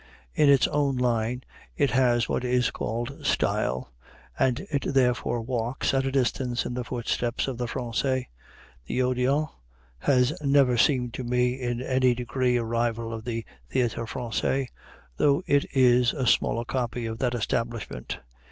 In its own line it has what is called style, and it therefore walks, at a distance, in the footsteps of the Français. The Odéon has never seemed to me in any degree a rival of the Théâtre Français, though it is a smaller copy of that establishment.